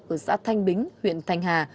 ở xã thanh bính huyện thành hà